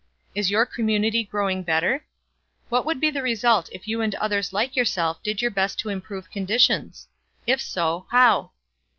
Is your community growing better? What would be the result if you and others like yourself did your best to improve conditions? If so, how?